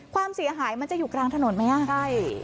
ความเสียหายมันจะอยู่กลางถนนไหมอ่ะใช่